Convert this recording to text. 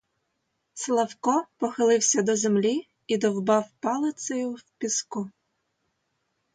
Славко похилився до землі і довбав палицею в піску.